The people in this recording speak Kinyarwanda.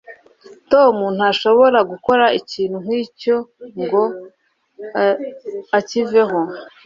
tom ntashobora gukora ikintu nkicyo ngo akiveho